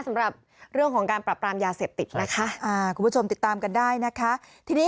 สำหรับเรื่องของการปรับปรามยาเสพติดนะคะคุณผู้ชมติดตามกันได้นะคะ